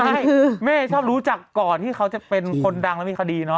ใช่คือแม่ชอบรู้จักก่อนที่เขาจะเป็นคนดังแล้วมีคดีเนอ